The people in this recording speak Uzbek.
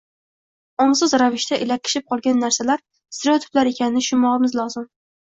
ongsiz ravishda ilakishib qolgan narsalar – stereotiplar ekanini tushunmog‘imiz lozim.